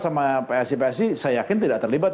sama psi psi saya yakin tidak terlibat